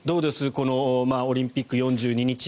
このオリンピック、４２日。